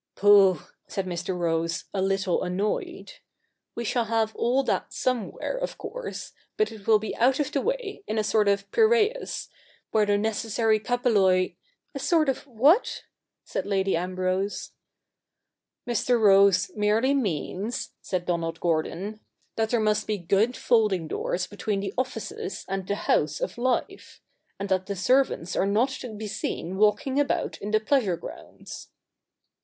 Pooh !' said Mr. Rose, a little annoyed, ' we shall have all that somewhere, of course : but it will be out of the way, in a sort of Piraeus, where the necessary KaTrrjXoL '' A sort of what ?' said Lady Ambrose. ' ]\Ir. Rose merely means,' said Donald Gordon, ' that there must be good folding doors between the offices and the house of life; and that the servants are not to be seen walking about in the pleasure grounds.'